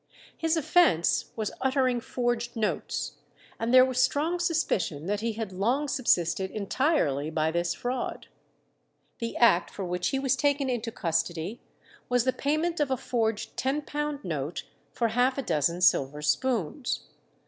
His offence was uttering forged notes, and there was strong suspicion that he had long subsisted entirely by this fraud. The act for which he was taken into custody was the payment of a forged ten pound note for half a dozen silver spoons.